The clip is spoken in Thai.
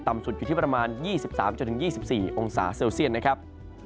สุดอยู่ที่ประมาณ๒๓๒๔องศาเซลเซียตนะครับ